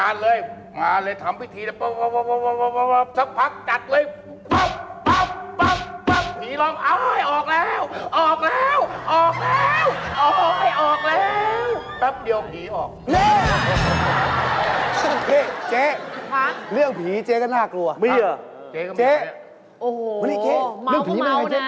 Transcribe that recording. เรื่องผีเจ๊ก็น่ากลัวจะจ๊ะขอบคุณนี่นี่